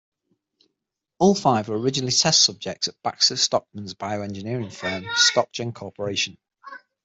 All five were originally test subjects at Baxter Stockman's bioengineering firm, Stockgen Corporation.